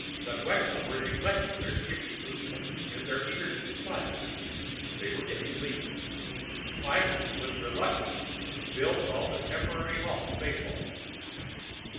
The Quxas were neglecting their skimpy food plots in their eagerness to play. They were getting lean. Finally, with reluctance, Bill called a temporary halt to baseball.